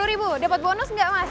sepuluh ribu dapat bonus nggak mas